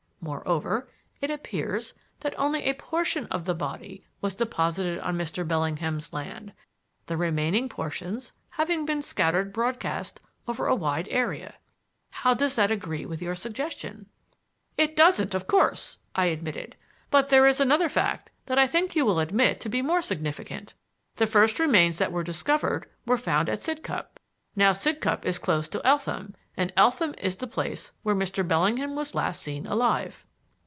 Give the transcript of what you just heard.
Moreover, it appears that only a portion of the body was deposited on Mr. Bellingham's land, the remaining portions having been scattered broadcast over a wide area. How does that agree with your suggestion?" "It doesn't, of course," I admitted. "But there is another fact that I think you will admit to be more significant. The first remains that were discovered were found at Sidcup. Now, Sidcup is close to Eltham; and Eltham is the place where Mr. Bellingham was last seen alive."